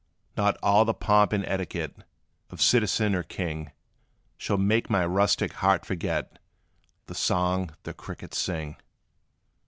Not all the pomp and etiquette Of citizen or king, Shall make my rustic heart forget The song, the crickets sing.